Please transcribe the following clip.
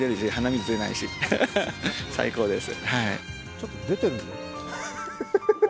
ちょっと出てる。